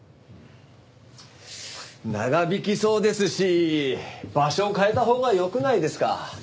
長引きそうですし場所を変えたほうがよくないですか？